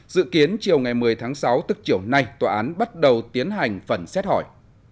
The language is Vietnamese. dự kiến chiều ngày một mươi tháng sáu tức chiều nay tòa án bắt đầu tiến hành phần xét hỏi